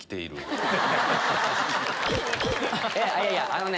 いやいやあのね。